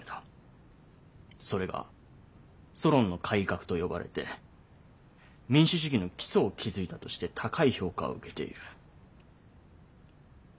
それがソロンの改革と呼ばれて民主主義の基礎を築いたとして高い評価を受けている。